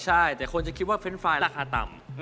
ใช่แต่คนจะคิดว่าเฟรนด์ไฟล์ราคาต่ำ